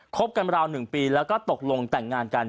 บกันราว๑ปีแล้วก็ตกลงแต่งงานกัน